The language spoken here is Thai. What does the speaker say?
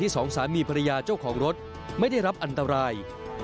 สองสามีภรรยาเจ้าของรถไม่ได้รับอันตราย